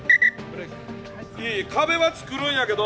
壁は作るんやけど。